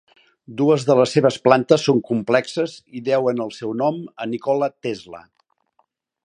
Dues de les seves plantes són complexes i deuen el seu nom a Nikola Tesla.